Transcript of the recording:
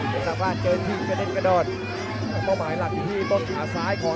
เจอสร้างบ้านเจอที่กระเด็นกระโดดแล้วเป้าหมายหลักที่ที่บนอาซายของ